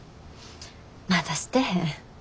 まだしてへん。